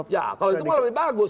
ya kalau itu malah lebih bagus